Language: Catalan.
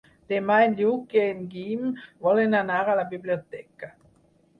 Demà en Lluc i en Guim volen anar a la biblioteca.